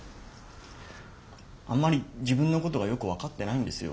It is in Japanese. あんまり自分のことがよく分かってないんですよ